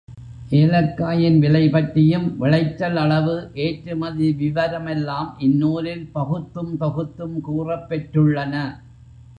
ஏலக்காயின் விலை பற்றியும் விளைச்சல் அளவு, ஏற்றுமதி விவரம் எல்லாம் இந்நூலில் பகுத்தும் தொகுத்தும் கூறப்பெற்றுள்ளன.